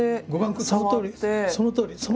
そのとおり！